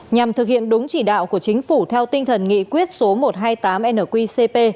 nhằm thực hiện đúng chỉ đạo của chính phủ theo tinh thần nghị quyết số một trăm hai mươi tám nqcp